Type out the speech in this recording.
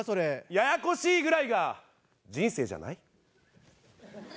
ややこしいぐらいが人生じゃない？人生。